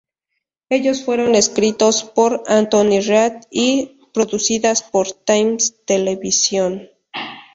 Ellos fueron escritos por Anthony Read y producidas por Thames Television.